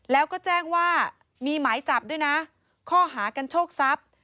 แล้วก็แจ้งว่ามีหมายจับด้วยนะข้อหากันโชคทรัพย์